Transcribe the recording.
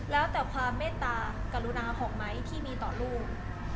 แล้วแต่ความเมตตากับรุนาของไม๊มาของมีต่อลูก